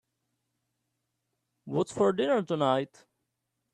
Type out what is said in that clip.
What's for dinner tonight?